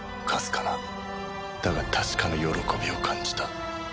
かなだが確かな喜びを感じた